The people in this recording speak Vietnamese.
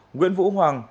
nguyễn vũ hoàng